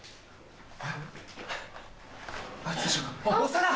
長田！